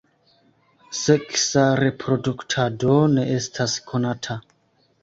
Seksa reproduktado ne estas konata.